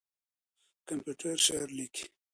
کمپيوټر شعر ليکي.